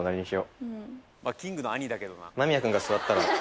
［キングの兄だけどな。］